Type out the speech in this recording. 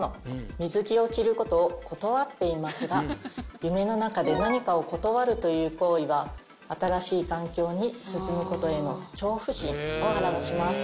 水着を着る事を断っていますが夢の中で何かを断るという行為は新しい環境に進む事への恐怖心を表します。